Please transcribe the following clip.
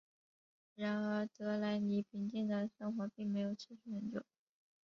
然而德莱尼平静的生活并没有持续很久。